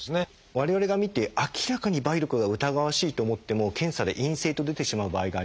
我々が診て明らかに梅毒が疑わしいと思っても検査で陰性と出てしまう場合があります。